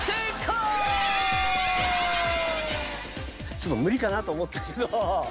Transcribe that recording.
ちょっとムリかなと思ったけど。